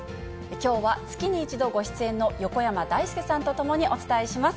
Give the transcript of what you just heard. きょうは月に１度ご出演の横山だいすけさんと共にお伝えします。